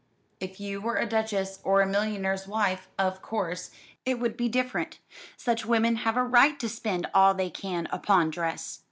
If you were a duchess or a millionaire's wife, of course it would be different. Such women have a right to spend all they can upon dress.